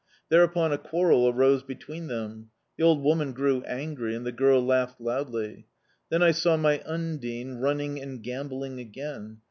Thereupon a quarrel arose between them. The old woman grew angry, and the girl laughed loudly. And then I saw my Undine running and gambolling again.